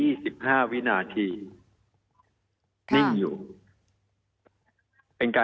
มีความรู้สึกว่ามีความรู้สึกว่า